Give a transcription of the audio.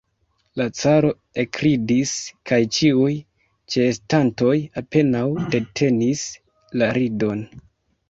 La caro ekridis, kaj ĉiuj ĉeestantoj apenaŭ detenis la ridon.